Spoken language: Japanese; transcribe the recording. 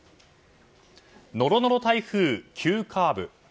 ノロノロ台風、急カーブ。